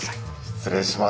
失礼します。